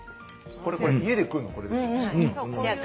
これ家で食うのこれです。